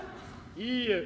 いいえ。